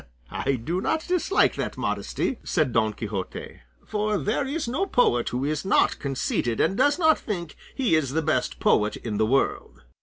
"I do not dislike that modesty," said Don Quixote; "for there is no poet who is not conceited and does not think he is the best poet in the world."